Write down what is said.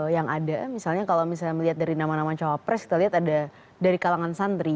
yang ada misalnya kalau misalnya melihat dari nama nama cawapres kita lihat ada dari kalangan santri